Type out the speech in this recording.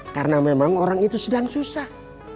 karena memang orang itu sedang susah